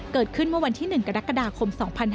เกิดขึ้นเมื่อวันที่๑กรกฎาคม๒๕๕๙